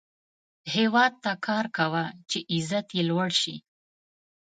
هیواد ته کار کوه، چې عزت یې لوړ شي